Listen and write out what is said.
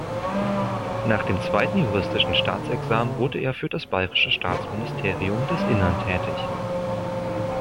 Nach dem zweiten juristischen Staatsexamen wurde er für das Bayerische Staatsministerium des Innern tätig.